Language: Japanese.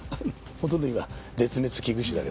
ほとんど今絶滅危惧種だけどな。